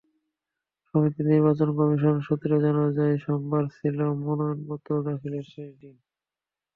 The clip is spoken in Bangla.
সমিতির নির্বাচন কমিশন সূত্রে জানা যায়, সোমবার ছিল মনোনয়নপত্র দাখিলের শেষ দিন।